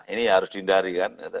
ini harus dihindari kan